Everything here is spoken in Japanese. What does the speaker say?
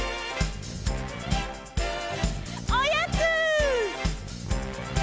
おやつ！